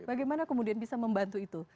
bagaimana kemudian bisa membantu itu